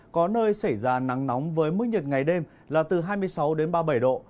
có nơi xảy ra nắng nóng với mức nhiệt ngày đêm là từ hai mươi sáu đến ba mươi bảy độ